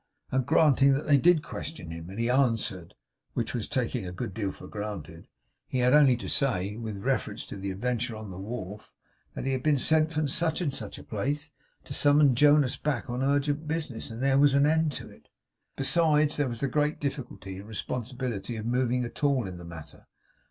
And granting that they did question him, and he answered (which was taking a good deal for granted), he had only to say, with reference to the adventure on the wharf, that he had been sent from such and such a place to summon Jonas back on urgent business, and there was an end of it. Besides, there was the great difficulty and responsibility of moving at all in the matter.